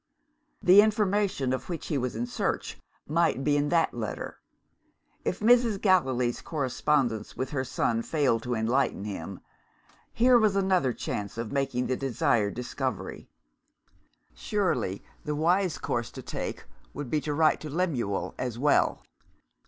The information of which he was in search might be in that letter. If Mrs. Gallilee's correspondence with her son failed to enlighten him, here was another chance of making the desired discovery. Surely the wise course to take would be to write to Lemuel as well.